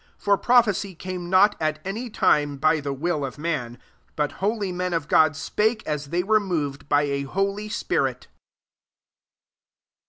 21 For irophecy came not at any time If the will of man; but holy men )l God spake ae they were njov id by a holy spirit.